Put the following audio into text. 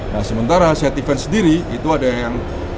nah sementara set event sendiri itu ada yang